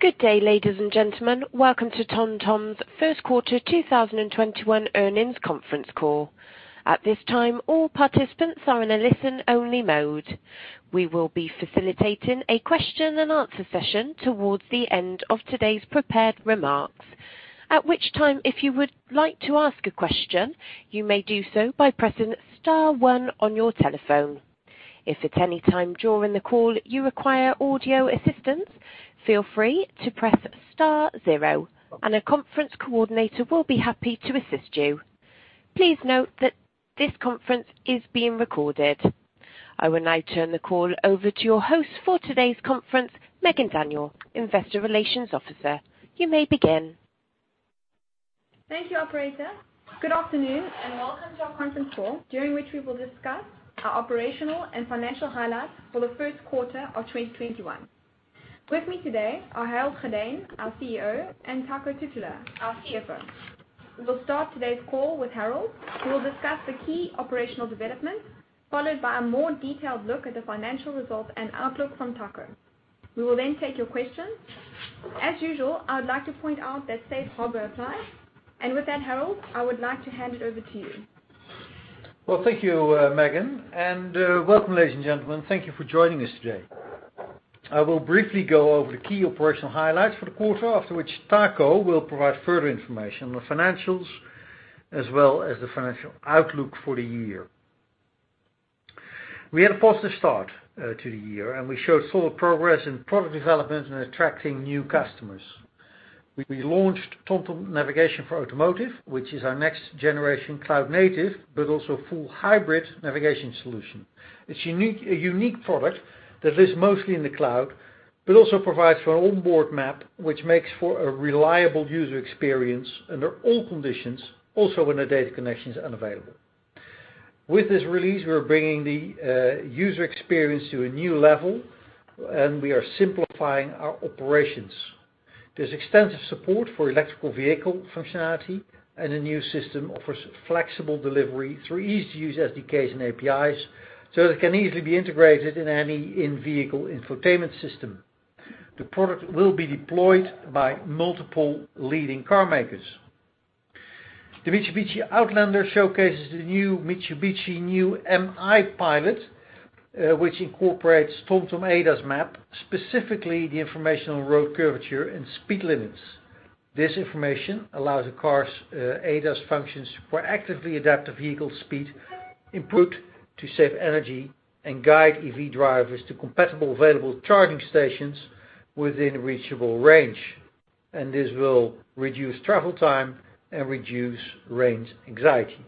Good day, ladies and gentlemen. Welcome to TomTom's first quarter 2021 earnings conference call. At this time, all participants are in a listen-only mode. We will be facilitating a question and answer session towards the end of today's prepared remarks, at which time, if you would like to ask a question, you may do so by pressing star one on your telephone. If at any time during the call you require audio assistance, feel free to press star zero, and a conference coordinator will be happy to assist you. Please note that this conference is being recorded. I will now turn the call over to your host for today's conference, Megan Daniell, Investor Relations Officer. You may begin. Thank you, operator. Good afternoon and welcome to our conference call, during which we will discuss our operational and financial highlights for the first quarter of 2021. With me today are Harold Goddijn, our CEO, and Taco Titulaer, our CFO. We will start today's call with Harold, who will discuss the key operational developments, followed by a more detailed look at the financial results and outlook from Taco. We will then take your questions. As usual, I would like to point out that safe harbor applies. With that, Harold, I would like to hand it over to you. Well, thank you, Megan. Welcome, ladies and gentlemen. Thank you for joining us today. I will briefly go over the key operational highlights for the quarter, after which Taco will provide further information on the financials as well as the financial outlook for the year. We had a positive start to the year, and we showed solid progress in product development and attracting new customers. We launched TomTom Navigation for Automotive, which is our next-generation cloud-native but also full hybrid navigation solution. It's a unique product that lives mostly in the cloud but also provides for an onboard map, which makes for a reliable user experience under all conditions, also when the data connection is unavailable. With this release, we're bringing the user experience to a new level, and we are simplifying our operations. There's extensive support for electric vehicle functionality, the new system offers flexible delivery through easy-to-use SDKs and APIs, so it can easily be integrated in any in-vehicle infotainment system. The product will be deployed by multiple leading car makers. The Mitsubishi Outlander showcases the Mitsubishi MI-PILOT Assist, which incorporates TomTom ADAS Map, specifically the information on road curvature and speed limits. This information allows the car's ADAS functions to proactively adapt the vehicle speed, improve to save energy, and guide EV drivers to compatible available charging stations within reachable range. This will reduce travel time and reduce range anxiety.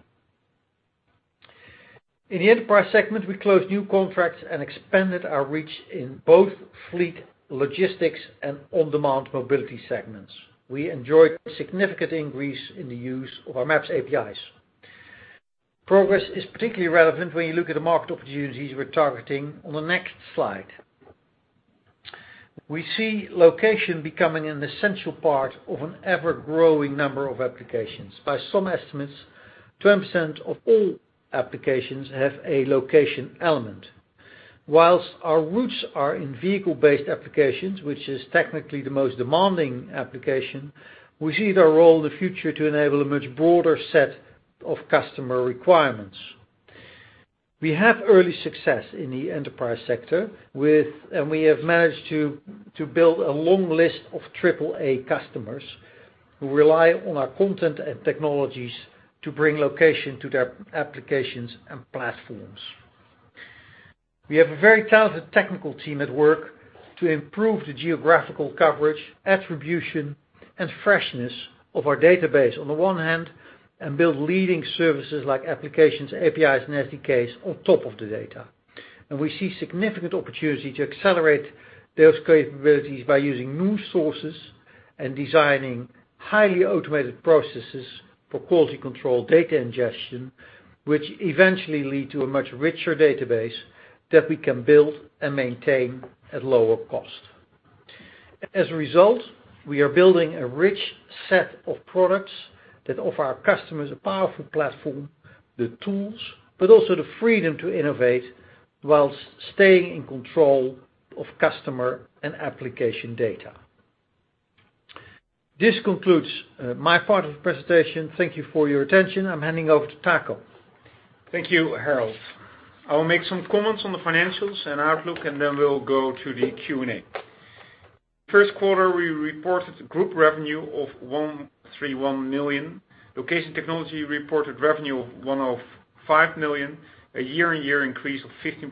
In the enterprise segment, we closed new contracts and expanded our reach in both fleet logistics and on-demand mobility segments. We enjoyed significant increase in the use of our maps APIs. Progress is particularly relevant when you look at the market opportunities we're targeting on the next slide. We see location becoming an essential part of an ever-growing number of applications. By some estimates, 20% of all applications have a location element. While our roots are in vehicle-based applications, which is technically the most demanding application, we see their role in the future to enable a much broader set of customer requirements. We have early success in the enterprise sector, and we have managed to build a long list of triple A customers who rely on our content and technologies to bring location to their applications and platforms. We have a very talented technical team at work to improve the geographical coverage, attribution, and freshness of our database, on the one hand, and build leading services like applications, APIs, and SDKs on top of the data. We see significant opportunity to accelerate those capabilities by using new sources and designing highly automated processes for quality control data ingestion, which eventually lead to a much richer database that we can build and maintain at lower cost. As a result, we are building a rich set of products that offer our customers a powerful platform, the tools, but also the freedom to innovate while staying in control of customer and application data. This concludes my part of the presentation. Thank you for your attention. I am handing over to Taco. Thank you, Harold. I will make some comments on the financials and outlook, and then we'll go to the Q&A. First quarter, we reported group revenue of 131 million. Location Technology reported revenue of 105 million, a year-on-year increase of 15%.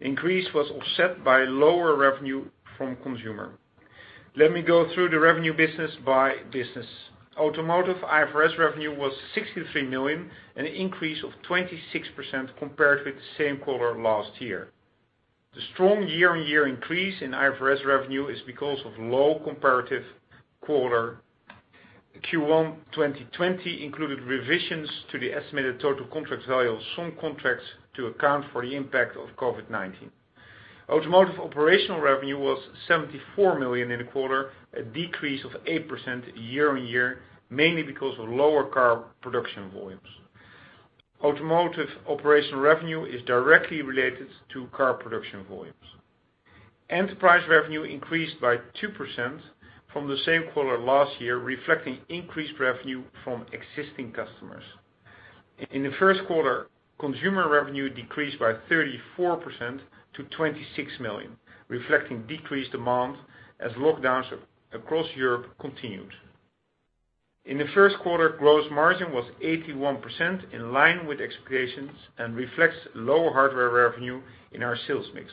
Increase was offset by lower revenue from consumer. Let me go through the revenue business by business. Automotive IFRS revenue was 63 million, an increase of 26% compared with the same quarter last year. The strong year-on-year increase in IFRS revenue is because of low comparative quarter. Q1 2020 included revisions to the estimated total contract value of some contracts to account for the impact of COVID-19. Automotive operational revenue was 74 million in the quarter, a decrease of 8% year-on-year, mainly because of lower car production volumes. Automotive operational revenue is directly related to car production volumes. Enterprise revenue increased by 2% from the same quarter last year, reflecting increased revenue from existing customers. In the first quarter, consumer revenue decreased by 34% to 26 million, reflecting decreased demand as lockdowns across Europe continued. In the first quarter, gross margin was 81%, in line with expectations, and reflects lower hardware revenue in our sales mix.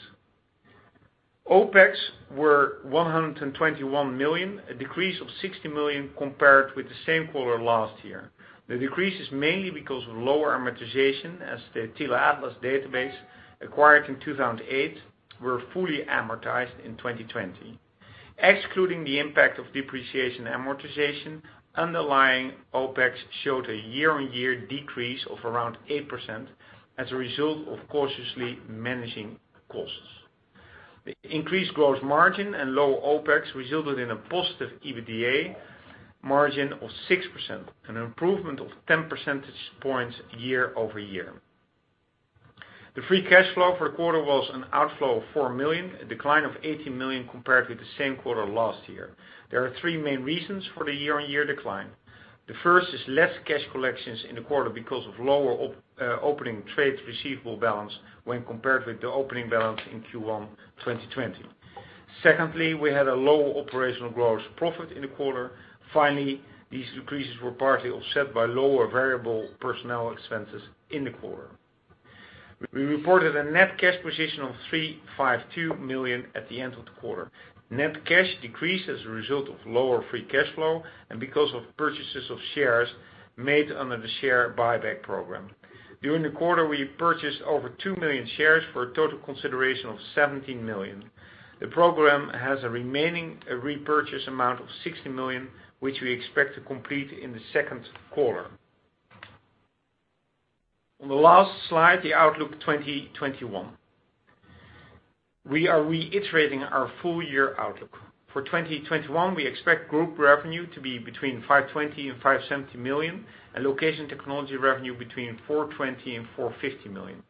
OPEX were 121 million, a decrease of 60 million compared with the same quarter last year. The decrease is mainly because of lower amortization, as the Tele Atlas database acquired in 2008 was fully amortized in 2020. Excluding the impact of depreciation amortization, underlying OPEX showed a year-on-year decrease of around 8% as a result of cautiously managing costs. The increased gross margin and low OPEX resulted in a positive EBITDA margin of 6%, an improvement of 10 percentage points year-over-year. The free cash flow for the quarter was an outflow of 4 million, a decline of 18 million compared with the same quarter last year. There are three main reasons for the year-on-year decline. The first is less cash collections in the quarter because of lower opening trade receivable balance when compared with the opening balance in Q1 2020. Secondly, we had a lower operational gross profit in the quarter. Finally, these decreases were partly offset by lower variable personnel expenses in the quarter. We reported a net cash position of 352 million at the end of the quarter. Net cash decreased as a result of lower free cash flow and because of purchases of shares made under the share buyback program. During the quarter, we purchased over 2 million shares for a total consideration of 17 million. The program has a remaining repurchase amount of 60 million, which we expect to complete in the second quarter. On the last slide, the outlook 2021. We are reiterating our full year outlook. For 2021, we expect group revenue to be between 520 million and 570 million, and Location Technology revenue between 420 million and 450 million.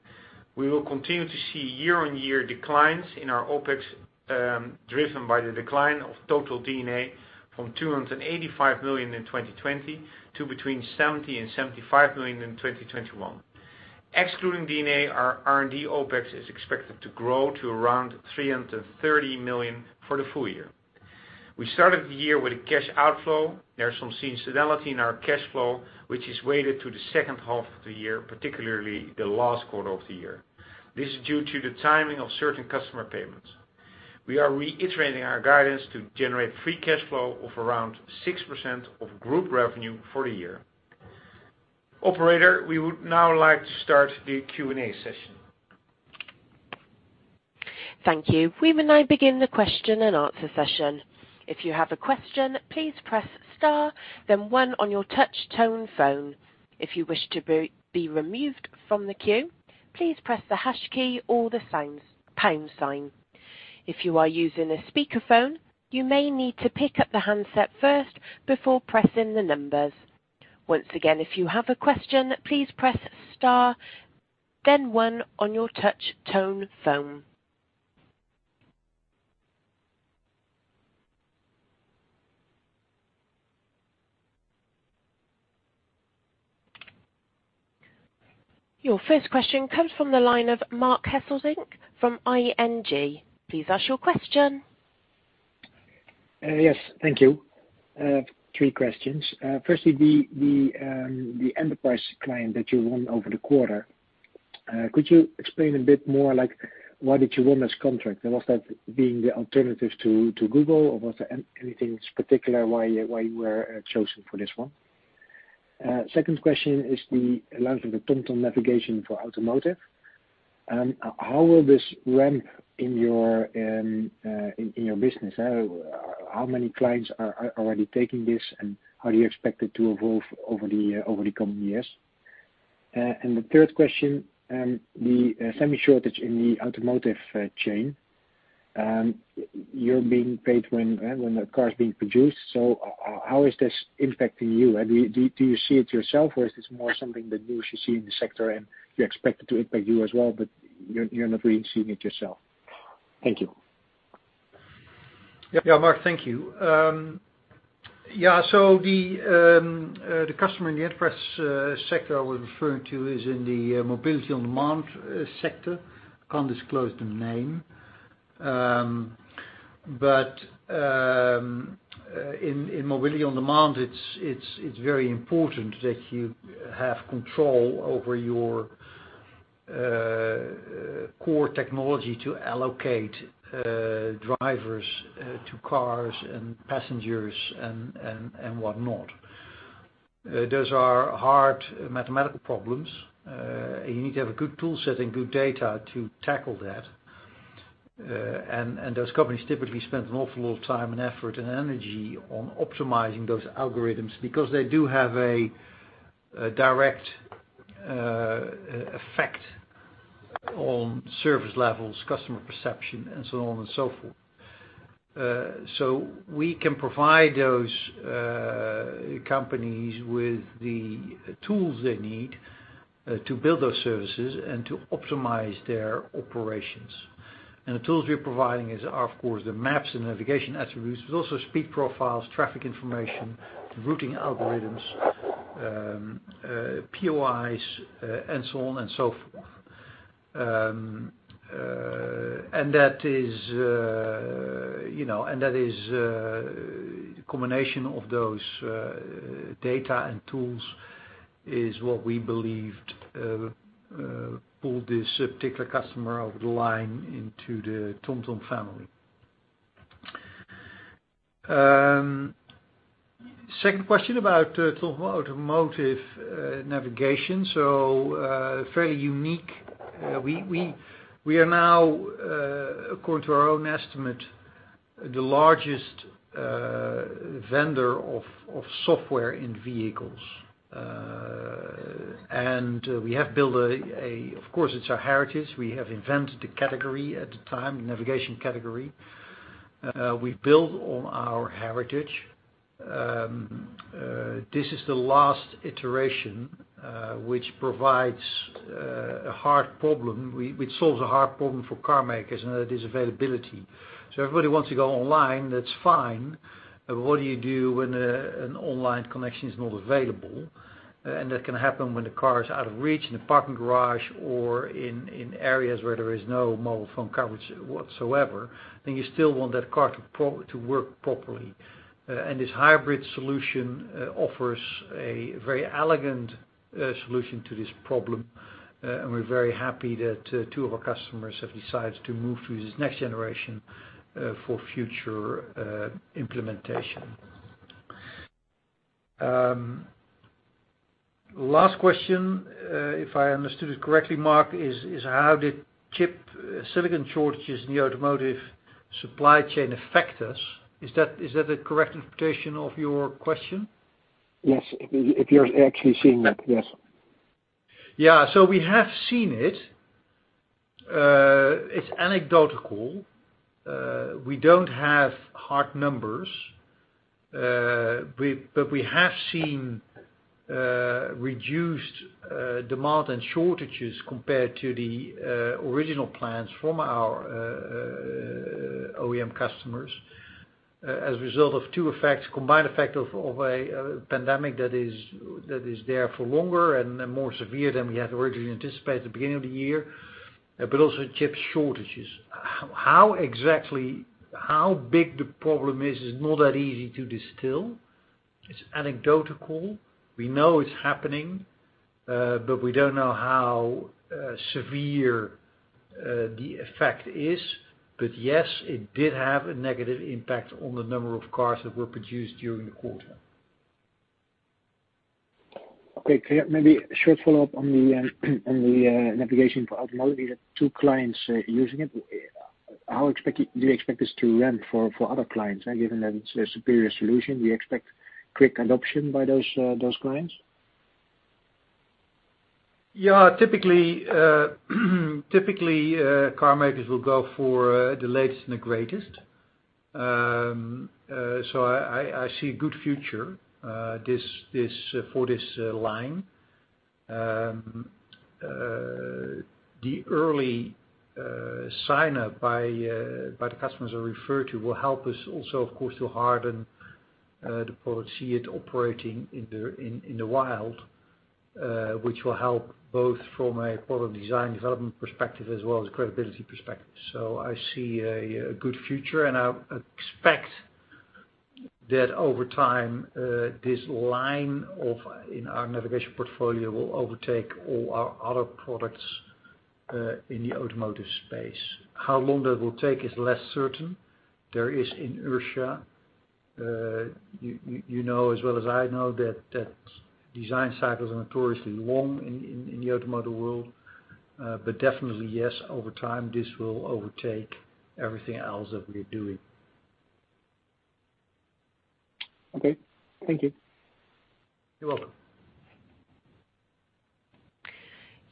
We will continue to see year-on-year declines in our OPEX, driven by the decline of total D&A from 285 million in 2020 to between 70 million and 75 million in 2021. Excluding D&A, our R&D OPEX is expected to grow to around 330 million for the full year. We started the year with a cash outflow. There's some seasonality in our cash flow, which is weighted to the second half of the year, particularly the last quarter of the year. This is due to the timing of certain customer payments. We are reiterating our guidance to generate free cash flow of around 6% of group revenue for the year. Operator, we would now like to start the Q&A session. Thank you. We will now begin the question-and-answer session. Your first question comes from the line of Marc Hesselink from ING. Please ask your question. Thank you. Three questions. The enterprise client that you won over the quarter, could you explain a bit more why did you win this contract, and was that being the alternative to Google, or was there anything particular why you were chosen for this one? Second question is the launch of the TomTom Navigation for Automotive. How will this ramp in your business? How many clients are already taking this, and how do you expect it to evolve over the coming years? The third question, the semi shortage in the automotive chain. You're being paid when the car is being produced. How is this impacting you? Do you see it yourself, or is this more something that you see in the sector and you expect it to impact you as well, but you're not really seeing it yourself? Thank you. Marc, thank you. The customer in the enterprise sector I was referring to is in the mobility-on-demand sector. Can't disclose the name. In mobility on demand, it's very important that you have control over your core technology to allocate drivers to cars and passengers and whatnot. Those are hard mathematical problems. You need to have a good toolset and good data to tackle that. Those companies typically spend an awful lot of time and effort and energy on optimizing those algorithms because they do have a direct effect. On service levels, customer perception, and so on and so forth. We can provide those companies with the tools they need to build those services and to optimize their operations. The tools we're providing is, of course, the maps and navigation attributes, but also speed profiles, traffic information, routing algorithms, POIs and so on and so forth. That is a combination of those data and tools is what we believed pulled this particular customer over the line into the TomTom family. Second question about TomTom Automotive Navigation. Fairly unique. We are now, according to our own estimate, the largest vendor of software in vehicles. We have built, of course, it's our heritage, we have invented the category at the time, the navigation category. We've built on our heritage. This is the last iteration, which solves a hard problem for car makers, and that is availability. Everybody wants to go online, that's fine. What do you do when an online connection is not available? That can happen when the car is out of reach, in a parking garage, or in areas where there is no mobile phone coverage whatsoever. You still want that car to work properly. This hybrid solution offers a very elegant solution to this problem. We're very happy that two of our customers have decided to move to this next generation, for future implementation. Last question, if I understood it correctly, Marc, is how the chip silicon shortages in the automotive supply chain affect us. Is that the correct interpretation of your question? Yes. If you're actually seeing that, yes. We have seen it. It's anecdotal. We don't have hard numbers. We have seen reduced demand and shortages compared to the original plans from our OEM customers, as a result of two effects, combined effect of a pandemic that is there for longer and more severe than we had originally anticipated at the beginning of the year, but also chip shortages. How big the problem is not that easy to distill. It's anecdotal. We know it's happening, but we don't know how severe the effect is. Yes, it did have a negative impact on the number of cars that were produced during the quarter. Okay. Maybe a short follow-up on the navigation for automotive. You have two clients using it. Do you expect this to ramp for other clients? Given that it's a superior solution, do you expect quick adoption by those clients? Typically, car makers will go for the latest and the greatest. I see a good future for this line. The early sign-up by the customers I referred to will help us also, of course, to harden the product, see it operating in the wild, which will help both from a product design development perspective as well as credibility perspective. I see a good future, and I expect that over time, this line in our navigation portfolio will overtake all our other products, in the automotive space. How long that will take is less certain. There is inertia. You know as well as I know that design cycles are notoriously long in the automotive world. Definitely, yes, over time, this will overtake everything else that we're doing. Okay. Thank you. You're welcome.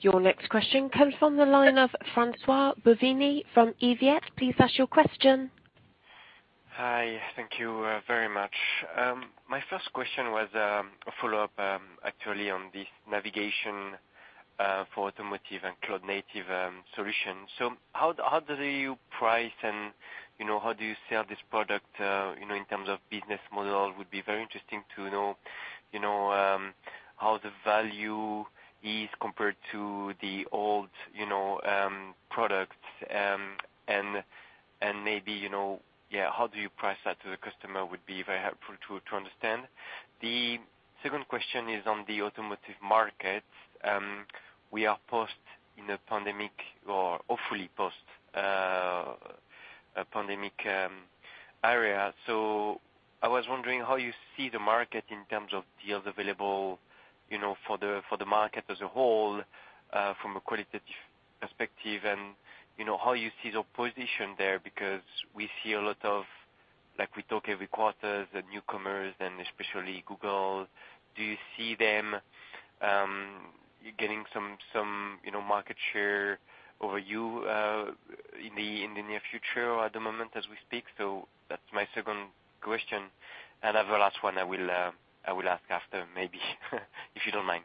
Your next question comes from the line of François Bouvignies from UBS. Please ask your question. Hi. Thank you very much. My first question was a follow-up, actually, on this Navigation for Automotive and cloud-native solutions. How do you price and how do you sell this product, in terms of business model? Would be very interesting to know how the value is compared to the old products, and maybe, how do you price that to the customer would be very helpful to understand. The second question is on the automotive market. We are post in a pandemic, or hopefully post-pandemic era. I was wondering how you see the market in terms of deals available for the market as a whole, from a qualitative perspective, and how you see the position there, because we talk every quarter, the newcomers and especially Google, do you see them getting some market share over you in the near future or at the moment as we speak? That's my second question. I have a last one I will ask after, maybe, if you don't mind.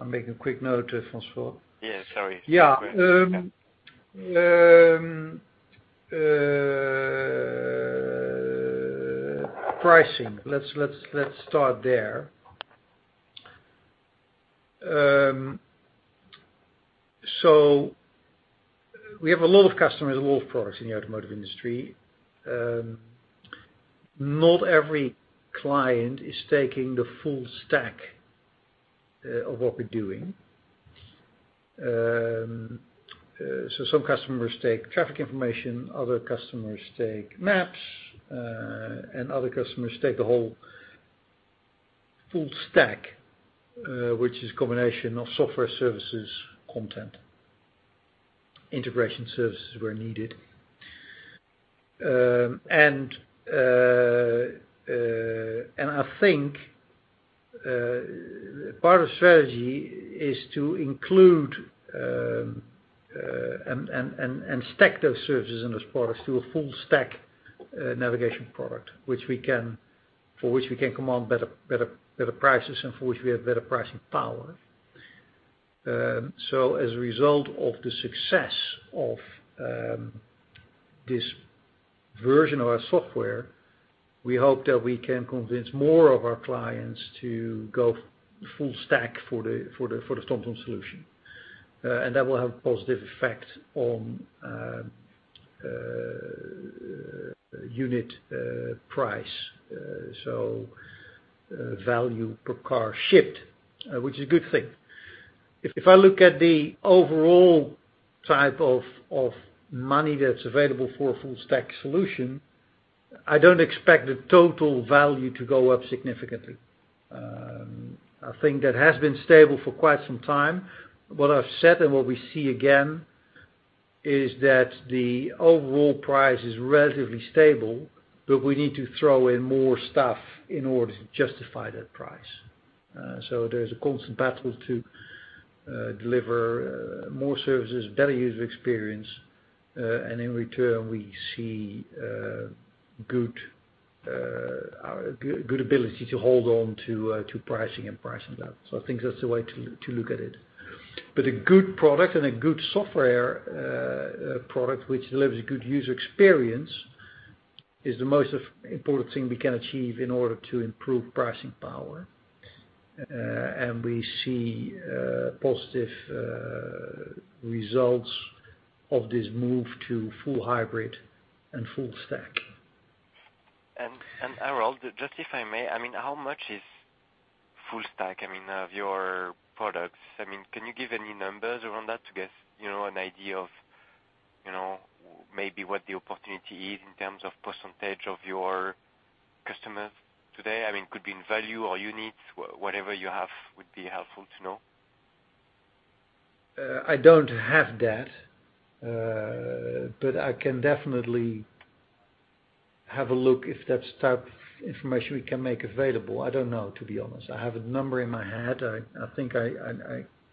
I'm making a quick note, François. Yeah, sorry. Yeah. Pricing, let's start there. We have a lot of customers with a lot of products in the automotive industry. Not every client is taking the full stack of what we're doing. Some customers take traffic information, other customers take maps, and other customers take the whole full stack, which is a combination of software services, content, integration services where needed. I think part of strategy is to include and stack those services and those products to a full stack navigation product, for which we can command better prices and for which we have better pricing power. As a result of the success of this version of our software, we hope that we can convince more of our clients to go full stack for the TomTom solution. That will have a positive effect on unit price. Value per car shipped, which is a good thing. If I look at the overall type of money that's available for a full stack solution, I don't expect the total value to go up significantly. I think that has been stable for quite some time. What I've said and what we see again, is that the overall price is relatively stable, but we need to throw in more stuff in order to justify that price. There's a constant battle to deliver more services, better user experience, and in return, we see good ability to hold on to pricing and pricing well. I think that's the way to look at it. A good product and a good software product which delivers a good user experience is the most important thing we can achieve in order to improve pricing power. We see positive results of this move to full hybrid and full stack. Harold, just if I may, how much is full stack of your products? Can you give any numbers around that to get an idea of maybe what the opportunity is in terms of percentage of your customers today? It could be in value or units. Whatever you have would be helpful to know. I don't have that. I can definitely have a look if that's type of information we can make available. I don't know, to be honest. I have a number in my head. I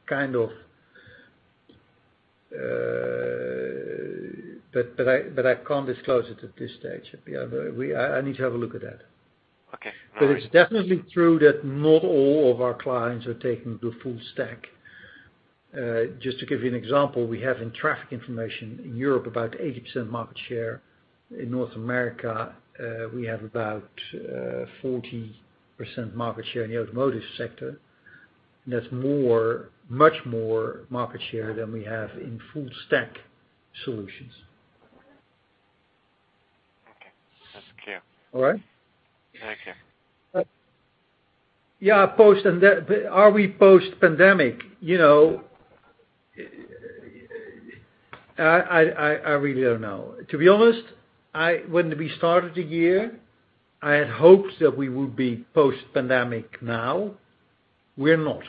can't disclose it at this stage. I need to have a look at that. Okay. All right. It's definitely true that not all of our clients are taking the full stack. Just to give you an example, we have in traffic information in Europe, about 80% market share. In North America, we have about 40% market share in the automotive sector. That's much more market share than we have in full stack solutions. Okay. That's clear. All right? Thank you. Yeah. Are we post pandemic? I really don't know. To be honest, when we started the year, I had hoped that we would be post pandemic now, we're not.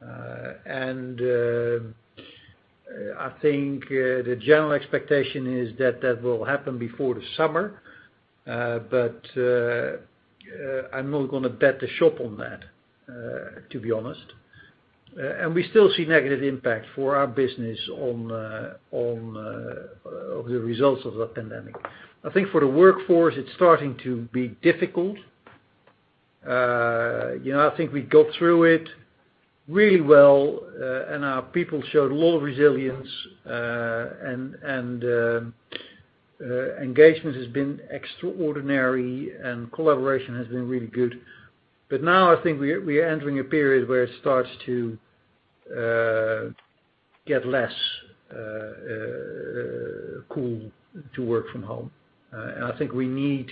I think the general expectation is that that will happen before the summer. I'm not going to bet the shop on that, to be honest. We still see negative impact for our business of the results of that pandemic. I think for the workforce, it's starting to be difficult. I think we got through it really well, and our people showed a lot of resilience, and engagement has been extraordinary, and collaboration has been really good. Now I think we are entering a period where it starts to get less cool to work from home. I think we need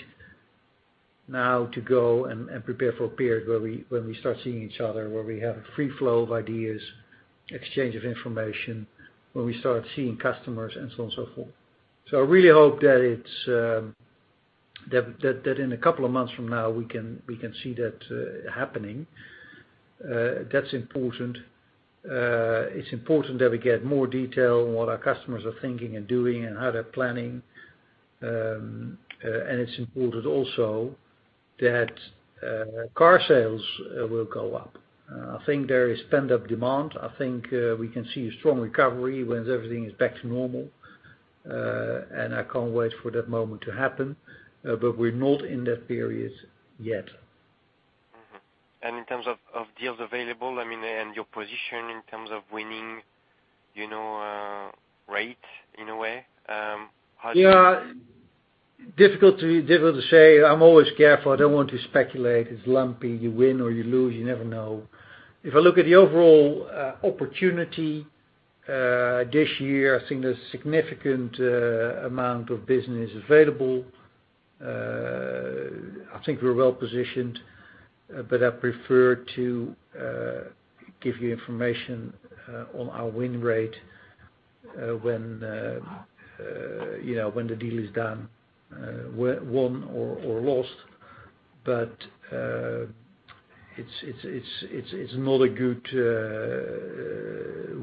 now to go and prepare for a period where we start seeing each other, where we have a free flow of ideas, exchange of information, where we start seeing customers and so on and so forth. I really hope that it's that in a couple of months from now, we can see that happening. That's important. It's important that we get more detail on what our customers are thinking and doing and how they're planning. It's important also that car sales will go up. I think there is pent-up demand. I think we can see a strong recovery once everything is back to normal. I can't wait for that moment to happen. We're not in that period yet. Mm-hmm. In terms of deals available, and your position in terms of winning rate, in a way, how do you? Yeah. Difficult to say. I'm always careful. I don't want to speculate. It's lumpy. You win or you lose. You never know. If I look at the overall opportunity, this year, I think there's significant amount of business available. I think we're well positioned. I prefer to give you information on our win rate when the deal is done, won or lost. It's not a good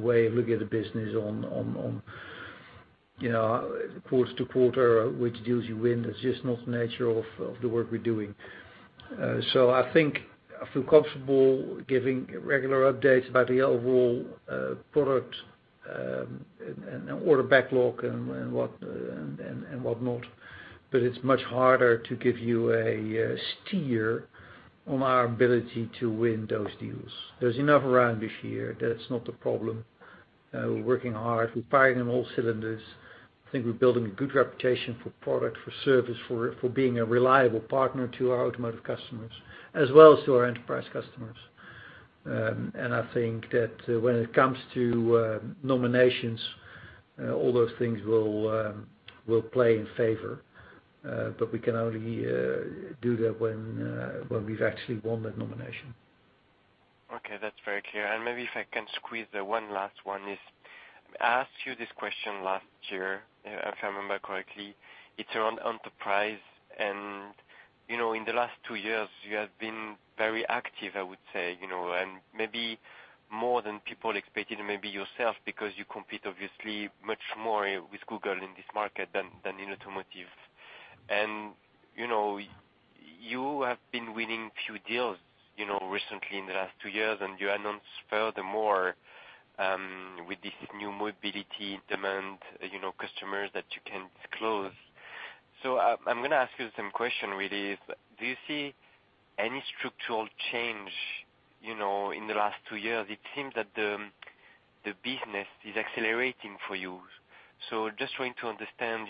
way of looking at the business on quarter to quarter, which deals you win. That's just not the nature of the work we're doing. I think I feel comfortable giving regular updates about the overall product and order backlog and whatnot, but it's much harder to give you a steer on our ability to win those deals. There's enough around this year. That's not the problem. We're working hard. We're firing on all cylinders. I think we're building a good reputation for product, for service, for being a reliable partner to our automotive customers as well as to our enterprise customers. I think that when it comes to nominations, all those things will play in favor. We can only do that when we've actually won that nomination. Okay, that's very clear. Maybe if I can squeeze one last one is, I asked you this question last year, if I remember correctly. It's around Enterprise, and in the last two years, you have been very active, I would say, and maybe more than people expected and maybe yourself, because you compete obviously much more with Google in this market than in Automotive. You have been winning few deals recently in the last two years, and you announce furthermore, with this new mobility demand, customers that you can close. I'm going to ask you the same question really, do you see any structural change in the last two years? It seems that the business is accelerating for you. Just wanting to understand,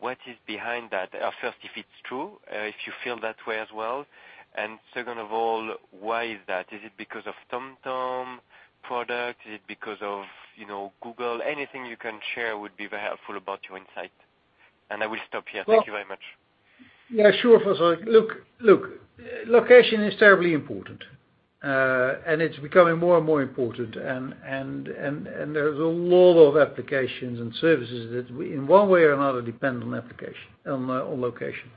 what is behind that? Or first, if it's true, if you feel that way as well, and second of all, why is that? Is it because of TomTom product? Is it because of Google? Anything you can share would be very helpful about your insight. I will stop here. Thank you very much. Yeah, sure. Look, location is terribly important. It's becoming more and more important, and there's a lot of applications and services that, in one way or another, depend on location.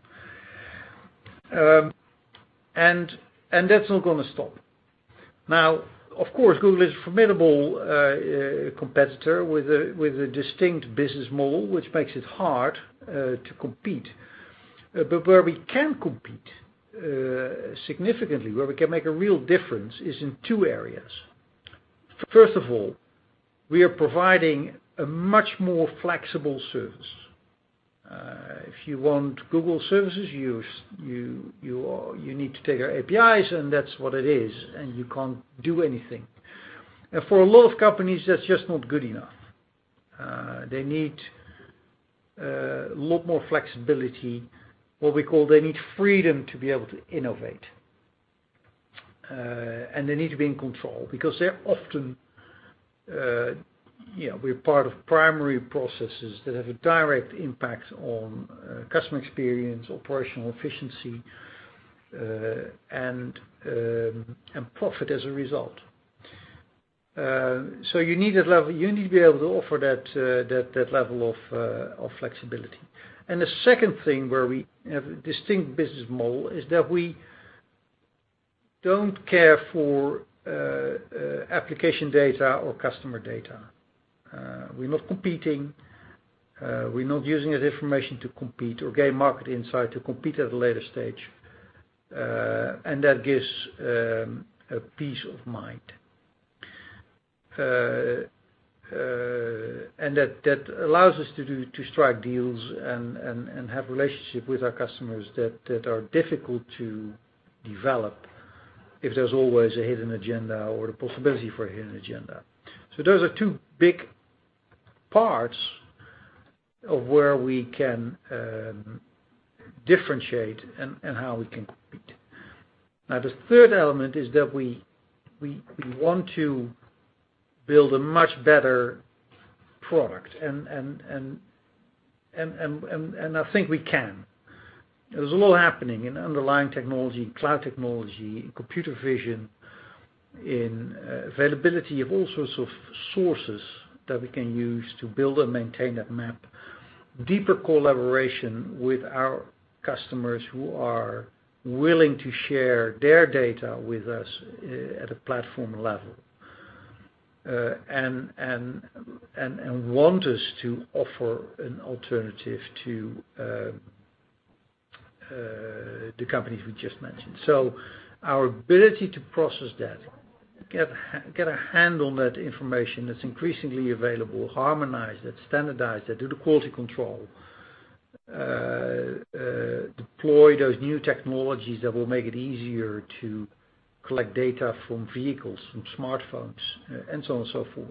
That's not going to stop. Now, of course, Google is a formidable competitor with a distinct business model, which makes it hard to compete. Where we can compete significantly, where we can make a real difference is in two areas. First of all, we are providing a much more flexible service. If you want Google services, you need to take our APIs, and that's what it is, and you can't do anything. For a lot of companies, that's just not good enough. They need a lot more flexibility, what we call they need freedom to be able to innovate. They need to be in control because they're often part of primary processes that have a direct impact on customer experience, operational efficiency, and profit as a result. You need to be able to offer that level of flexibility. The second thing where we have a distinct business model is that we don't care for application data or customer data. We're not competing. We're not using that information to compete or gain market insight to compete at a later stage. That gives a peace of mind. That allows us to strike deals and have relationships with our customers that are difficult to develop if there's always a hidden agenda or the possibility for a hidden agenda. Those are two big parts of where we can differentiate and how we can compete. The third element is that we want to build a much better product, and I think we can. There's a lot happening in underlying technology, in cloud technology, in computer vision. In availability of all sorts of sources that we can use to build and maintain that map. Deeper collaboration with our customers who are willing to share their data with us at a platform level, and want us to offer an alternative to the companies we just mentioned. Our ability to process that, get a handle on that information that's increasingly available, harmonize it, standardize it, do the quality control, deploy those new technologies that will make it easier to collect data from vehicles, from smartphones, and so on and so forth.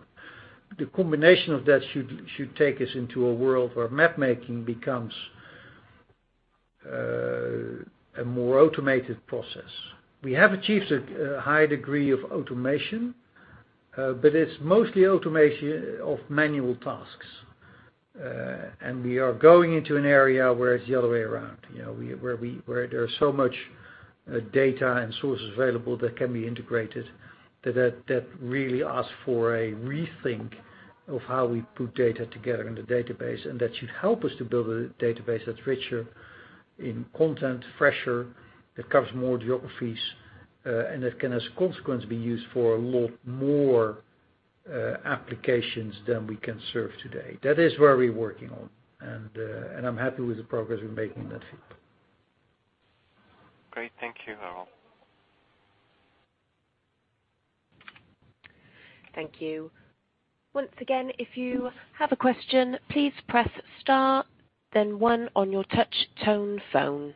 The combination of that should take us into a world where mapmaking becomes a more automated process. We have achieved a high degree of automation, but it's mostly automation of manual tasks. We are going into an area where it's the other way around. Where there is so much data and sources available that can be integrated, that really asks for a rethink of how we put data together in the database, and that should help us to build a database that's richer in content, fresher, that covers more geographies, and that can, as a consequence, be used for a lot more applications than we can serve today. That is where we're working on. I'm happy with the progress we're making on that field. Great. Thank you, Harold. Thank you. Once again, if you have a question, please press star then one on your touch tone phone.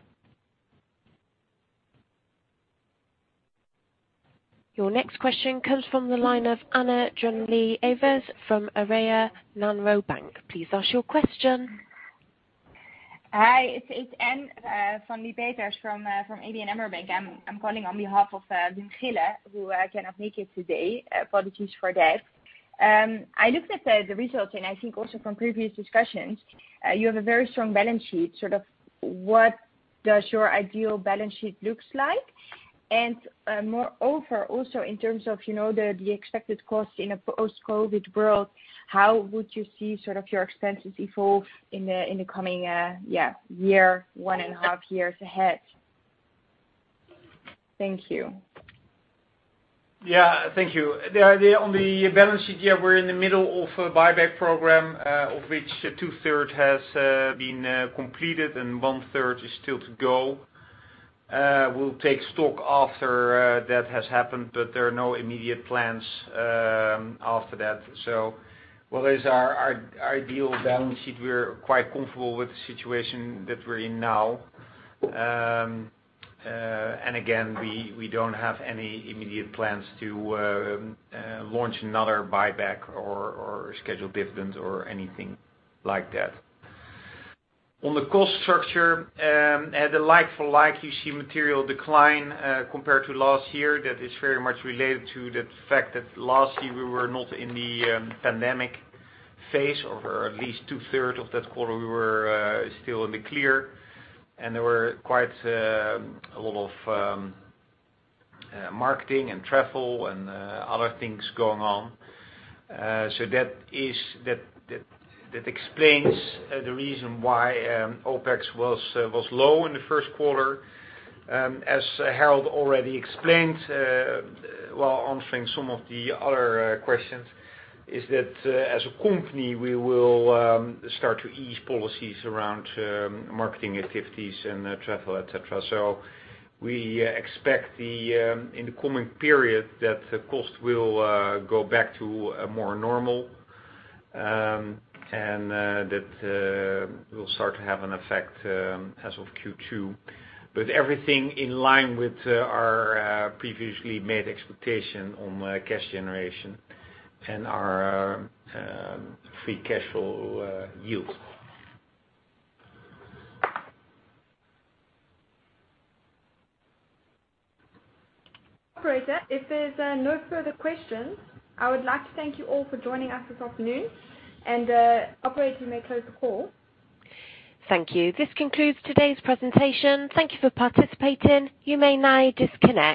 Your next question comes from the line of Anne Van Lie Peters from ABN AMRO Bank. Please ask your question. Hi, it's Anne Van Lie Peters from ABN AMRO Bank. I'm calling on behalf of Wim Gille, who cannot make it today. Apologies for that. I looked at the results and I think also from previous discussions, you have a very strong balance sheet. Sort of what does your ideal balance sheet looks like? Moreover, also in terms of the expected cost in a post-COVID world, how would you see sort of your expenses evolve in the coming year, one and a half years ahead? Thank you. Yeah. Thank you. The idea on the balance sheet, we're in the middle of a buyback program, of which two-thirds has been completed and one-third is still to go. We'll take stock after that has happened, there are no immediate plans after that. Well, is our ideal balance sheet, we're quite comfortable with the situation that we're in now. Again, we don't have any immediate plans to launch another buyback or schedule dividends or anything like that. On the cost structure, at the like for like, you see material decline compared to last year. That is very much related to the fact that last year we were not in the pandemic phase, or for at least two-thirds of that quarter, we were still in the clear and there were quite a lot of marketing and travel and other things going on. That explains the reason why OPEX was low in the first quarter. As Harold already explained while answering some of the other questions, is that as a company, we will start to ease policies around marketing activities and travel, et cetera. We expect in the coming period that the cost will go back to more normal, and that will start to have an effect as of Q2. Everything in line with our previously made expectation on cash generation and our free cash flow yield. Operator, if there's no further questions, I would like to thank you all for joining us this afternoon. Operator, you may close the call. Thank you. This concludes today's presentation. Thank you for participating. You may now disconnect.